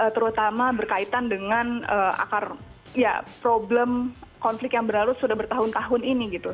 terutama berkaitan dengan akar ya problem konflik yang berlalu sudah bertahun tahun ini gitu